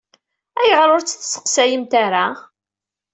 Ayɣer ur tt-testeqsayemt ara?